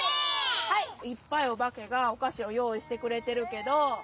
いっぱいお化けがお菓子を用意してくれてるけど。